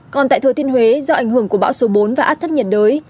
còn tại thời tiên huế do ảnh hưởng của bão số bốn và áp thấp nhiệt đới